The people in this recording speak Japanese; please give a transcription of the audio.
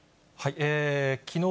きのう